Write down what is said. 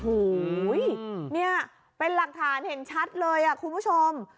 โอ้โหเนี่ยเป็นหลักฐานเห็นชัดเลยคุณผู้ชม